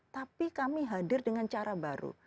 tapi kami hadir dengan cara baru